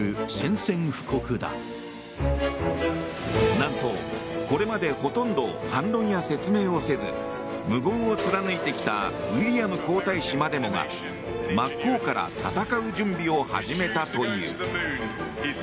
何とこれまでほとんど反論や説明をせず無言を貫いてきたウィリアム皇太子までもが真っ向から戦う準備を始めたという。